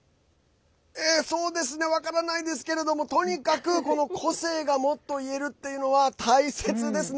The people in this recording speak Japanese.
分からないですけれどもとにかく個性がもっといえるっていうのは大切ですね。